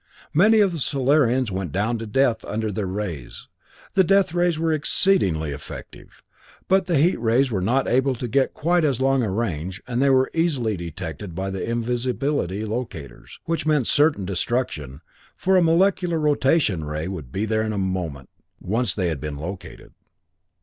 Many of the Solarians went down to death under their rays. The death rays were exceedingly effective, but the heat rays were not able to get quite as long a range, and they were easily detected by the invisibility locators, which meant certain destruction, for a molecular motion ray would be there in moments, once they had been located.